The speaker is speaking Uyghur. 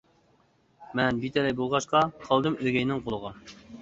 مەن بىتەلەي بولغاچقا، قالدىم ئۆگەينىڭ قولىغا.